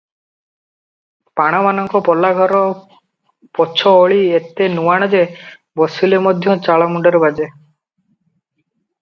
ପାଣମାନଙ୍କ ପଲାଘର ପଛ ଓଳି ଏତେ ନୁଆଣ ଯେ, ବସିଲେ ମଧ୍ୟ ଚାଳ ମୁଣ୍ଡରେ ବାଜେ ।